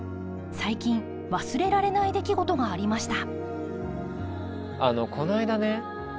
最近忘れられない出来事がありました。